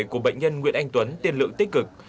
của bệnh nhân nguyễn anh tuấn tiên lượng tích cực